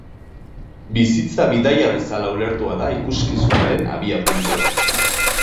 Bizitza bidaia bezala ulertua da ikuskizunaren abiapuntua.